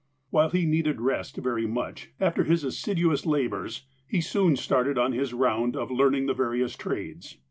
"While he needed rest very much, after his assiduous labours, he soon started on his round of learning the various trades.